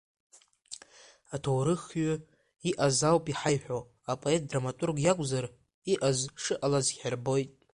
Аҭоурыхҩҩы иҟаз ауп иҳаиҳәо, апоет драматург иакәзар, иҟаз, шыҟалаз ҳирбоит…